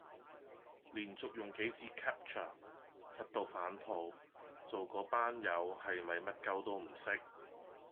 連續用幾次 captcha， 柒到反肚，做個班友係咪乜鳩都唔識